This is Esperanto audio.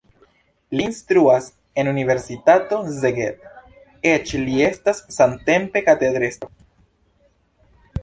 Li instruas en universitato Szeged, eĉ li estas samtempe katedrestro.